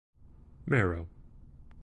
Marrou.